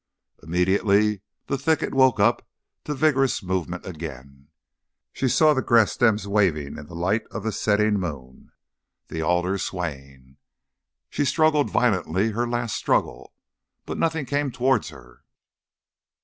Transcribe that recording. Immediately the thicket woke up to vigorous movement again. She saw the grass stems waving in the light of the setting moon, the alders swaying. She struggled violently her last struggle. But nothing came towards her.